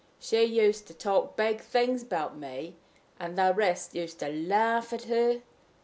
She used to talk big things about me, and the rest used to laugh at her.